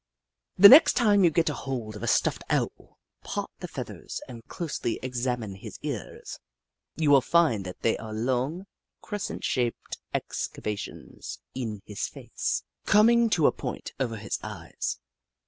The next time you get hold of a stuffed Owl, part the feathers and closely examine his ears. You will find that they are long, cres cent shaped excavations in his face, coming to a point over his eyes.